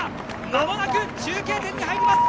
まもなく中継点に入ります。